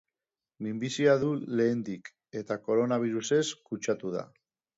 Minbizia du lehendik, eta koronabirusez kutsatu da.